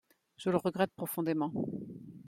Je le regrette profondément.